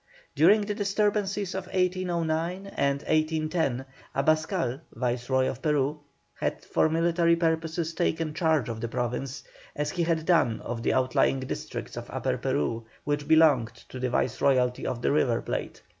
During the disturbances of 1809 and 1810, Abascal, Viceroy of Peru, had for military purposes taken charge of the province, as he had done of the outlying districts of Upper Peru, which belonged to the Viceroyalty of the River Plate.